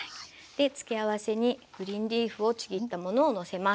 で付け合わせにグリーンリーフをちぎったものをのせます。